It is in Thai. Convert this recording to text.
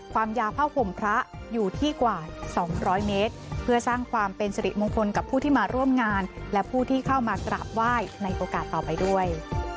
ความยาวผ้าห่มพระอยู่ที่กว่า๒๐๐เมตรเพื่อสร้างความเป็นสิริมงคลกับผู้ที่มาร่วมงานและผู้ที่เข้ามากราบไหว้ในโอกาสต่อไปด้วย